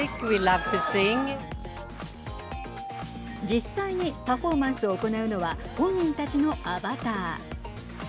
実際にパフォーマンスを行うのは本人たちのアバター。